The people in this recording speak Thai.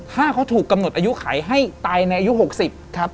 ถ้าเขาถูกกำหนดอายุไขให้ตายในอายุ๖๐ครับ